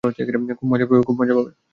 খুব মজা পাবে।